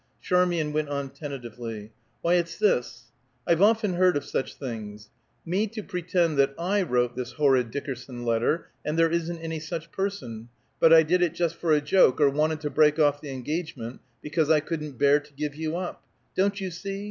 Charmian went on tentatively, "Why, it's this. I've often heard of such things: Me to pretend that I wrote this horrid Dickerson letter, and there isn't any such person; but I did it just for a joke, or wanted to break off the engagement because I couldn't bear to give you up. Don't you see?